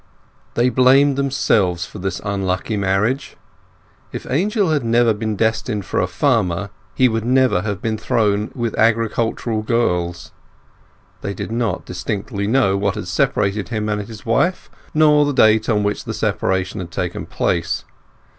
They blamed themselves for this unlucky marriage. If Angel had never been destined for a farmer he would never have been thrown with agricultural girls. They did not distinctly know what had separated him and his wife, nor the date on which the separation had taken place.